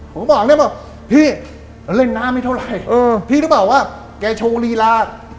ผมก็บอกพี่เราเล่นน้ำไม่เท่าไหร่พี่ก็บอกว่าแกโชว์ลีลา